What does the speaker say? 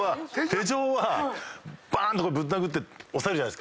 手錠はばーんとぶん殴って押さえるじゃないですか。